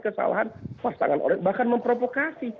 kesalahan pasangan orang bahkan memprovokasi